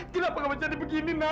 kenapa kamu jadi begini nay